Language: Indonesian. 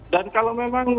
dan kalau memang